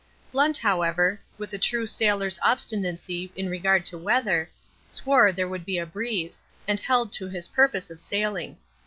Blunt, however, with a true sailor's obstinacy in regard to weather, swore there would be a breeze, and held to his purpose of sailing.